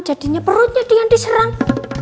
jadinya perutnya dia yang diserang